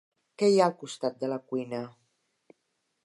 Què hi ha al costat de la cuina?